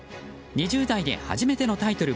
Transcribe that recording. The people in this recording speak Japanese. ２０代で初めてのタイトル